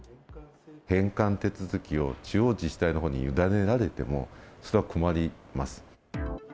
返還手続きを地方自治体のほうに委ねられても、それは困ります。